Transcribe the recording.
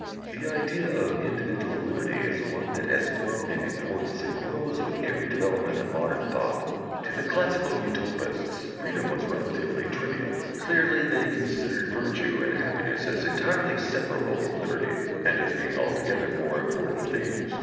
The idea of individual liberty is one that has grown in importance and grows with every development of modern thought. To the classical Utopists freedom was relatively trivial. Clearly they considered virtue and happiness as entirely separable from liberty, and as being altogether more important things.